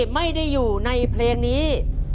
ไม่ได้อยู่ในเพลงนี้